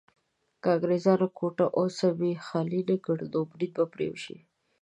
که انګريزان کوټه او سبۍ خالي نه کړي نو بريد به پرې وشي.